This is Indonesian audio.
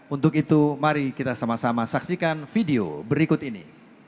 untuk itu mari kita sama sama saksikan video berikut ini